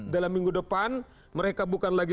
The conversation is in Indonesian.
dalam minggu depan mereka bukan lagi